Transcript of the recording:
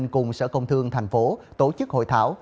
cùng sở công thương tp tổ chức hội thảo